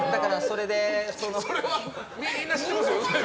それはみんな知ってますよ。